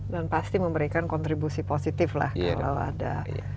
dan pasti memberikan kontribusi positif lah kalau ada